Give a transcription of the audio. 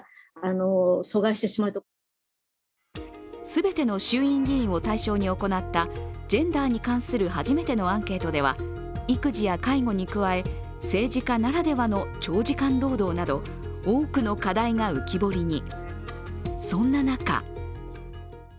全ての衆院議員を対象に行ったジェンダーに関する初めてのアンケートでは育児や介護に加え、政治家ならではの長時間労働など多くの課題が浮き彫りに。